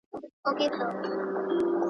پر سړک باندې سپین بیرغ په تېزۍ سره تېر شو.